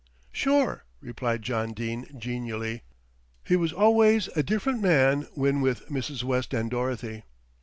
"Sure," replied John Dene genially. He was always a different man when with Mrs. West and Dorothy.